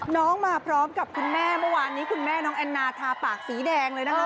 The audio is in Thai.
มาพร้อมกับคุณแม่เมื่อวานนี้คุณแม่น้องแอนนาทาปากสีแดงเลยนะคะ